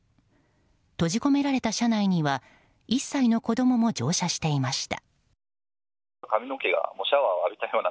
閉じ込められた車内には１歳の子供も乗車していました。